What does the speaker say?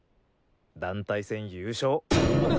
団体戦優勝。